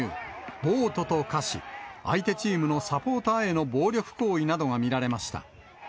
暴徒と化し、相手チームのサポーターへの暴力行為が見られました。